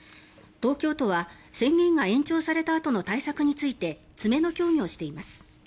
東京都は宣言が延長されたあとの対策について詰めの協議をしています。